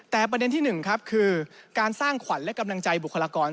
แต่ประเด็นที่๑ครับคือการสร้างขวัญและกำลังใจบุคลากร